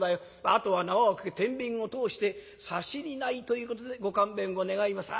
「あとは縄をかけ天秤を通して差し荷いということでご勘弁を願います」。